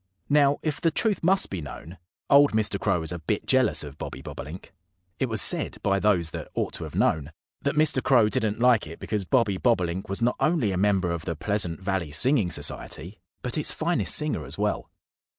Now, if the truth must be known, old Mr. Crow was a bit jealous of Bobby Bobolink. It was said by those that ought to have known that Mr. Crow didn't like it because Bobby Bobolink was not only a member of the Pleasant Valley Singing Society, but its finest singer as well.